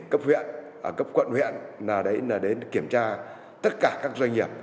cấp huyện gấp quận huyện là để kiểm tra tất cả các doanh nghiệp